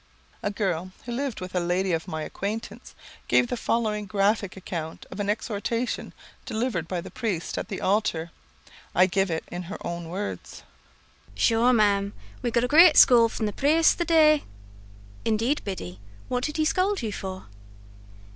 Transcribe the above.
A girl who lived with a lady of my acquaintance, gave the following graphic account of an exhortation delivered by the priest at the altar. I give it in her own words: "Shure, Ma'am, we got a great scould from the praste the day." "Indeed, Biddy, what did he scold you for?"